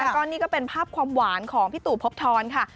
ก็นี่ก็เป็นภาพความหวานของพี่ตู่พบทรค่ะ